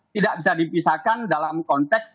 tidak bisa dipisahkan dalam konteks